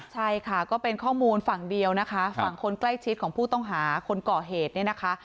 ใช่ค่ะก็เป็นข้อมูลฝั่งเดียวนะคะฝั่งคนใกล้ชิดของผู้ต้องหาคนก่อเหตุเนี่ยนะคะ